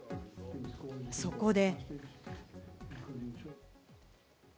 そこで。